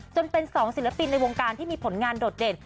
จนเป็น๒ศิลปินในวงการที่มีผลงานโดดเด่น